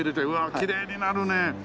きれいになるね！